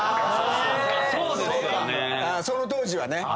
その当時はね。